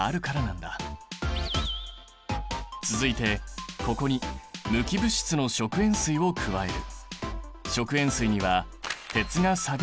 続いてここに無機物質の食塩水を加える。